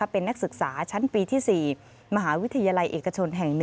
เป็นนักศึกษาชั้นปีที่๔มหาวิทยาลัยเอกชนแห่ง๑